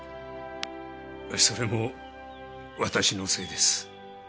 それもわたしのせいです。